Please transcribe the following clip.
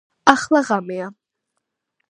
ახლა ღამეა